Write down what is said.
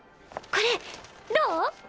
これどう？